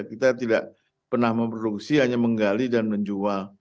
kita tidak pernah memproduksi hanya menggali dan menjual